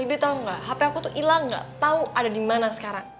bi tau gak hp aku tuh ilang gak tau ada dimana sekarang